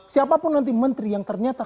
siapapun nanti menteri yang ternyata